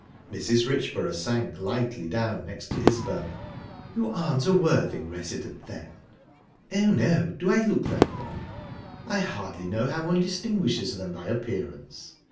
Mrs. Richborough sank lightly down next to Isbel. "You aren't a Worthing resident, then?" "Oh, no. Do I look like one?" "I hardly know how one distinguishes them by appearance.